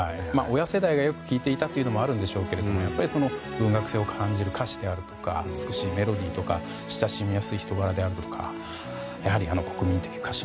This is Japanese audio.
親世代がよく歌っていたこともあるんでしょうけど文学性を感じる歌詞だとか美しいメロディーとか親しみやすい人柄であるとか。